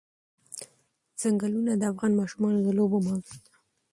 ځنګلونه د افغان ماشومانو د لوبو موضوع ده.